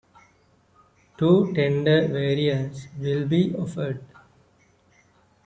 Two tender variants will be offered.